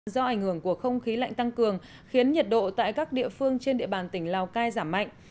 do ảnh hưởng của không khí lạnh tăng cường khiến nhiệt độ tại các địa phương trên địa bàn tỉnh lào cai giảm mạnh